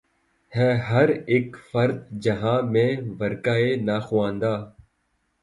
ہے ہر اک فرد جہاں میں ورقِ ناخواندہ